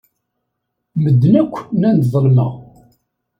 Medden akk nnan-d ḍelmeɣ.